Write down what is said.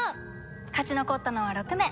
勝ち残ったのは６名。